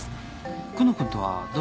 久能君とはどういう？